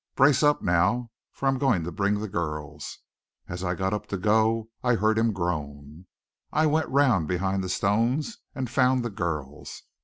Brace up now, for I'm going to bring the girls." As I got up to go I heard him groan. I went round behind the stones and found the girls.